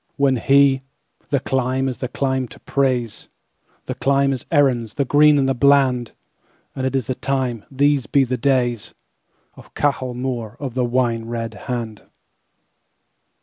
When he—"The climeIs a clime to praise, The clime is Erin's, the green and bland; And it is the time, These be the days, Of Cahal Mór of the Wine red Hand."